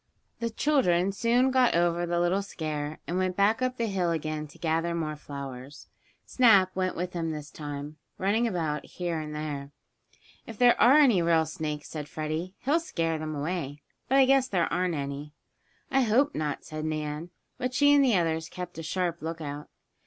The children soon got over the little scare, and went back up the hill again to gather more flowers. Snap went with them this time, running about here and there. "If there are any real snakes," said Freddie, "he'll scare them away. But I guess there aren't any." "I hope not," said Nan, but she and the others kept a sharp lookout.